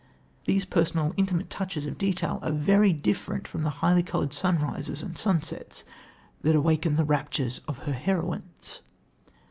These personal, intimate touches of detail are very different from the highly coloured sunrises and sunsets that awaken the raptures of her heroines.